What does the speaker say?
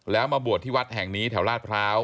แล้วมาบวชที่วัดแห่งนี้แถวลาดพร้าว